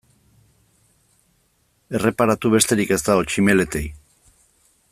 Erreparatu besterik ez dago tximeletei.